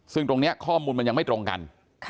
ซึ่งตรงนี้ข้อมูลมันยังไม่ตรงกัน